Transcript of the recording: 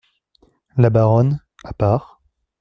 La Baronne , à part.